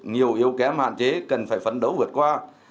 nhiều yếu kém hạn chế cần phải phấn đấu vượt qua